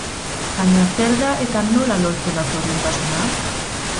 Baina zer da eta nola lortzen da zoriontasuna?